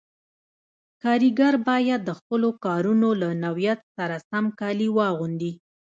کاریګر باید د خپلو کارونو له نوعیت سره سم کالي واغوندي.